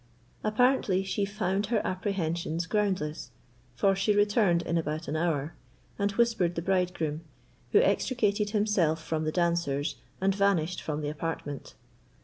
Apparently she found her apprehensions groundless, for she returned in about an hour, and whispered the bridegroom, who extricated himself from the dancers, and vanished from the apartment.